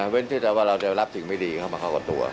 ว่าเราจะรับสิ่งไม่ดีเข้ามาเข้ากับตัว